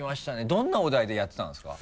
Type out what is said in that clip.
どんなお題でやってたんですか？